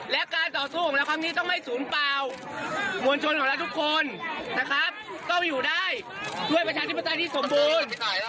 และการต่อสู้ของเราครั้งนี้ต้องให้ศูนย์เปล่ามวลชนของเราทุกคนนะครับต้องอยู่ได้ด้วยประชาธิปไตยที่สมบูรณ์